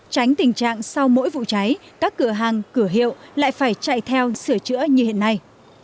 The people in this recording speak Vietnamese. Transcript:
tránh tình trạng sau mỗi vụ cháy các cửa hàng cửa hiệu lại phải chạy theo sửa chữa như hiện nay